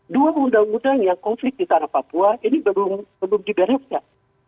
dua undang undang yang konflik di tanah papua ini belum dibereskan